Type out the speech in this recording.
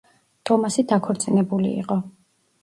ტომასი დაქორწინებული იყო.